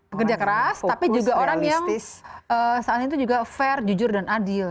pekerja keras tapi juga orang yang saat itu juga fair jujur dan adil